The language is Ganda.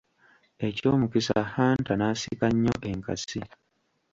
Eky'omukisa Hunter n'asika nnyo enkasi.